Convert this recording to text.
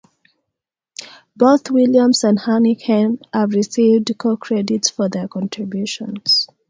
Both Williams and Hanighen have received co-credits for their contributions.